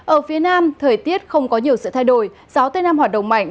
ở phía nam thời tiết không có nhiều sự thay đổi gió tây nam hoạt động mạnh